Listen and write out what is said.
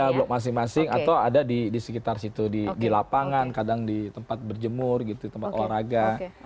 di blok masing masing atau ada di sekitar situ di lapangan kadang di tempat berjemur gitu tempat olahraga